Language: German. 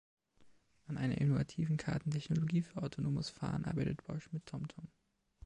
An einer innovativen Kartentechnologie für autonomes Fahren arbeitet Bosch mit TomTom.